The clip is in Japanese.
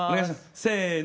せの。